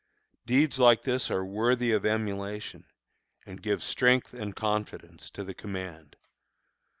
Deeds like this are worthy of emulation, and give strength and confidence to the command.